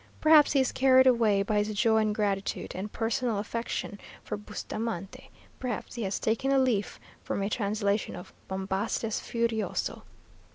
Perhaps he is carried away by his joy and gratitude, and personal affection for Bustamante perhaps he has taken a leaf from a translation of Bombastes Furioso.